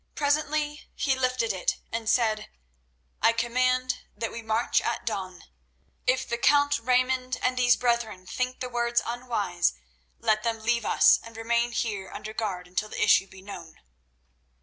Presently he lifted it, and said: "I command that we march at dawn. If the count Raymond and these brethren think the words unwise, let them leave us and remain here under guard until the issue be known."